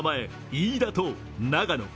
飯田と長野。